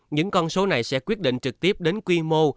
những con số này sẽ quyết định trực tiếp đến quy mô